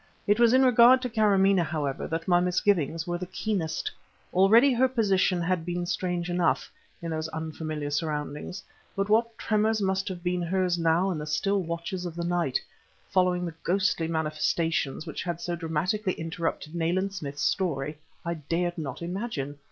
It was in regard to Kâramaneh, however, that my misgivings were the keenest. Already her position had been strange enough, in those unfamiliar surroundings, but what tremors must have been hers now in the still watches of the night, following the ghostly manifestations which had so dramatically interrupted Nayland Smith's story, I dared not imagine.